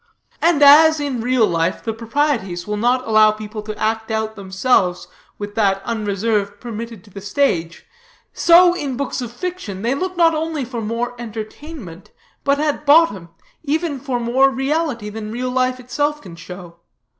And as, in real life, the proprieties will not allow people to act out themselves with that unreserve permitted to the stage; so, in books of fiction, they look not only for more entertainment, but, at bottom, even for more reality, than real life itself can show.